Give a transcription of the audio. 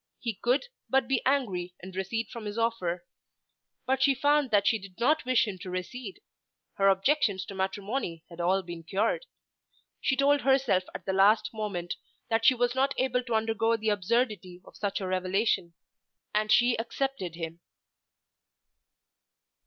He could but be angry and recede from his offer. But she found that she did not wish him to recede. Her objections to matrimony had all been cured. She told herself at the last moment that she was not able to undergo the absurdity of such a revelation, and she accepted him.